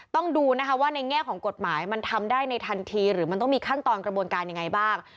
ต้องดูนะคะว่าในแง่ของกฎหมายมันทำได้ในทันทีหรือมันต้องมีขั้นตอนกระบวนการยังไงบ้าง